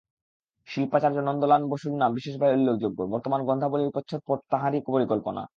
শিল্পাচার্য নন্দলাল বসুর নাম বিশেষভাবে উল্লেখযোগ্য, বর্তমান গ্রন্থাবলীর প্রচ্ছদপট তাঁহারই পরিকল্পনা।